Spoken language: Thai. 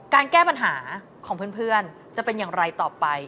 แก้ปัญหาของเพื่อนจะเป็นอย่างไรต่อไป